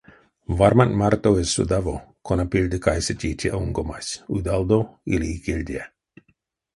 Варманть марто эзь содаво, кона пельде кайсети те онгомась: удалдо или икельде.